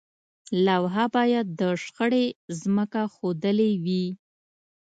لوحه باید د شخړې ځمکه ښودلې وي.